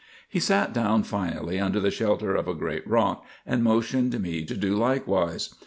He sat down finally under the shelter of a great rock and motioned me to do likewise.